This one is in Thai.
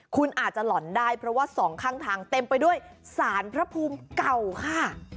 คุณอาจจะหล่อนได้เพราะว่าสองข้างทางเต็มไปด้วยสารพระภูมิเก่าค่ะ